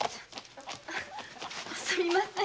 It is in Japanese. すみません。